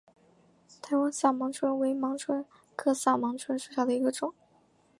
台湾萨盲蝽为盲蝽科萨盲蝽属下的一个种。